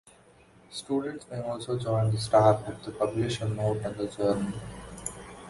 Students may also join the staff if they publish a note in the Journal.